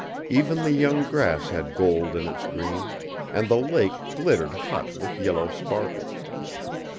Even the young grass had gold in its green, and the lake glittered hot with yellow sparkles.